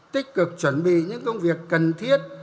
tích cực chuẩn bị những công việc cần thiết